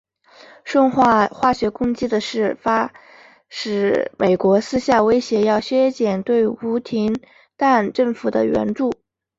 顺化化学攻击的事发使美国私下威胁要削减对吴廷琰政府的援助。